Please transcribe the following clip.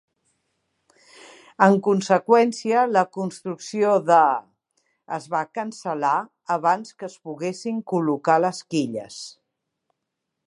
En conseqüència, la construcció de (?) es va cancel·lar abans que es poguessin col·locar les quilles.